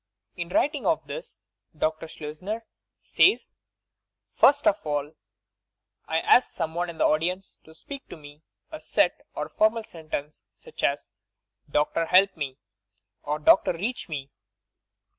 In writing of this, Dr. Schleusner says: "First of all I ask some one in the audience to speak to me a set or formal sentence, such as: 'Doctor, help me,' or 'Doctor, reach me.'